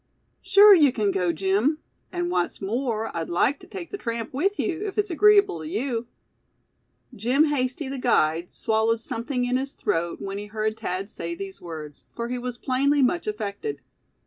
"Sure you can go, Jim; and what's more, I'd like to take the tramp with you, if it's agreeable to you!" Jim Hasty, the guide, swallowed something in his throat, when he heard Thad say these words, for he was plainly much affected.